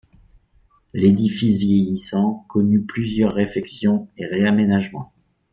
L'édifice vieillissant connut plusieurs réfections et réaménagements.